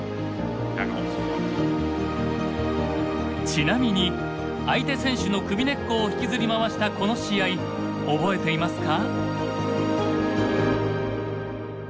ちなみに相手選手の首根っこを引きずり回したこの試合覚えていますか？